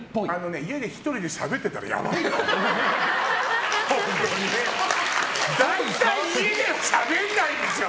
家で１人でしゃべってたらやばいよ！